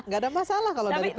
gak ada masalah kalau dari